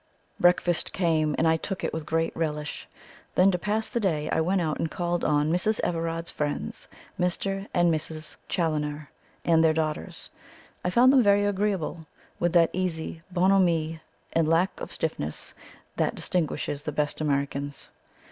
Breakfast came, and I took it with great relish. Then, to pass the day, I went out and called on Mrs. Everard's friends, Mr. and Mrs. Challoner and their daughters. I found them very agreeable, with that easy bonhomie and lack of stiffness that distinguishes the best Americans.